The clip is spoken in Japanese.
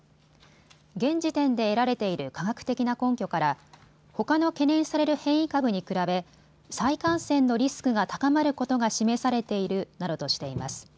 現時点で得られている科学的な根拠からほかの懸念される変異株に比べ再感染のリスクが高まることが示されているなどとしています。